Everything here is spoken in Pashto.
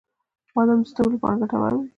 • بادام د سترګو لپاره ګټور وي.